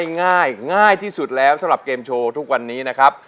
ง่ายง่ายที่สุดแล้วสำหรับเกมโชว์ทุกวันนี้นะครับ